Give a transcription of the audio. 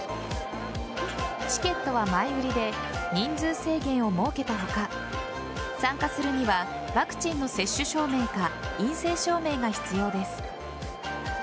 チケットは前売りで人数制限を設けた他参加するにはワクチンの接種証明か陰性証明が必要です。